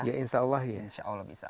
ya insya allah ya